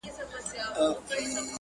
ميئن د كلي پر انجونو يمه~